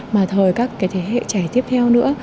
mà thời các thế hệ trẻ tiếp theo nữa